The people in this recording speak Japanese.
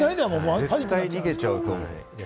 絶対逃げちゃうと思う。